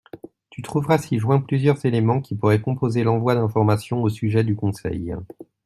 Tu trouveras ci-joint plusieurs éléments qui pourraient composer l’envoi d’information au sujet du conseil.